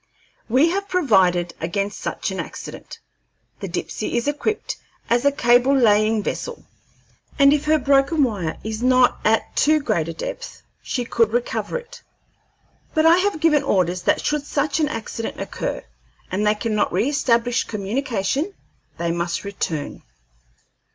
We have provided against such an accident. The Dipsey is equipped as a cable laying vessel, and if her broken wire is not at too great a depth, she could recover it; but I have given orders that should such an accident occur, and they cannot reestablish communication, they must return."